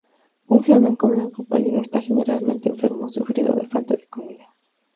Un flamenco blanco o pálido está generalmente enfermo o sufrido de falta de comida.